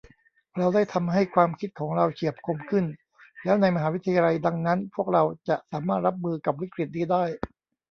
เราได้ทำให้ความคิดของเราเฉียบคมขึ้นแล้วในมหาวิทยาลัยดังนั้นพวกเราจะสามารถรับมือกับวิกฤตินี้ได้